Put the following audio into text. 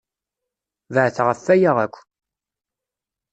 Beɛdet ɣef waya akk!